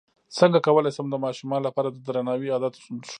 څنګه کولی شم د ماشومانو لپاره د درناوي عادت ښوول